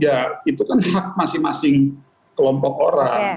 ya itu kan hak masing masing kelompok orang